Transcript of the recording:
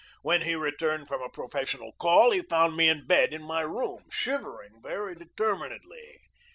When he returned from a professional call he found me in bed in my room, shivering very determinedly.